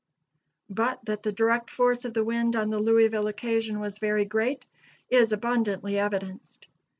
But that the direct force of the wind on the Louisville occasion was very great is abundantly evidenced.